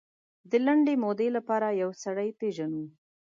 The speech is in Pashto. د لنډې مودې لپاره یو سړی پېژنو.